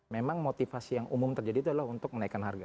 memang motivasi yang umum terjadi itu adalah untuk menaikkan harga